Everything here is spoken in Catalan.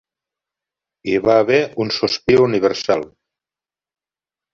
Hi va haver un sospir universal.